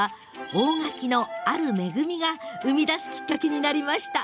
大垣のある恵みが生み出すきっかけになりました。